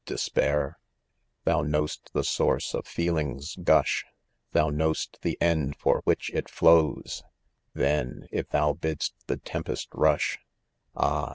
despair ? Thou know'st the source of feeling's gusfa s Thou know'st the end for which it flows— Then— if thou bid'st the tempest rush^ Ah